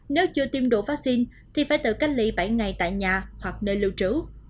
nếu chưa tiêm đủ vaccine thì phải tự cách ly bảy ngày tại nhà hoặc nơi lưu trú